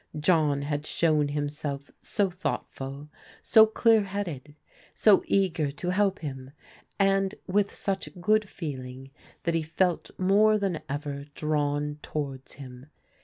John had shown himself so thoughtful, so clear headed, so eager to help him, and with such good feeling that he felt more than ever drawn towards him.